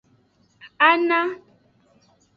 Ana.